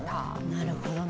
なるほどね。